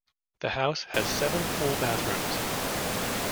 The house has seven full bathrooms.